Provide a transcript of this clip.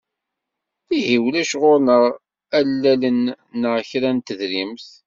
Ihi, ulac ɣur-neɣ allalen neɣ kra n tedrimt.